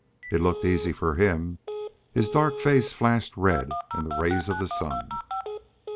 It looked easy for him. His dark face flashed red in the rays of the sun.